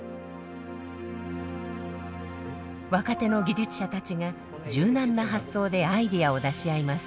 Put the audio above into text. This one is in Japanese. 若手の技術者たちが柔軟な発想でアイデアを出し合います。